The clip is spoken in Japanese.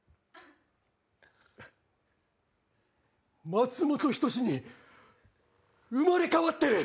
松本人志に生まれ変わってる！